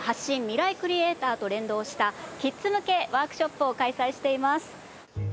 ミライクリエイター』と連動したキッズ向けワークショップを開催しています。